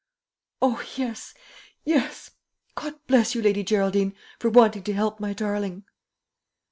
"O, yes, yes! God bless you, Lady Geraldine, for wanting to help my darling!"